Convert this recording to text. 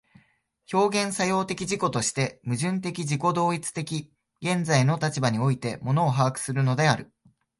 表現作用的自己として、矛盾的自己同一的現在の立場において物を把握するのである。